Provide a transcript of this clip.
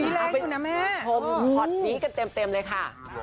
ดูนะแม่หอดพีคันเต็มเลยค่ะ